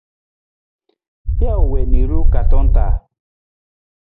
Pijo wii na i ruwee kaartong taa.